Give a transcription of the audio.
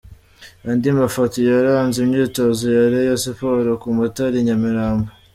Andi mafoto yaranze imyitozo ya Reyo Siporo ku matara i Nyamirambo.